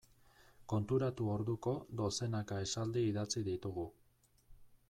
Konturatu orduko dozenaka esaldi idatzi ditugu.